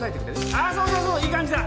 あっそうそうそういい感じだ。